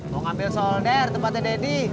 mau ngambil solder tempatnya deddy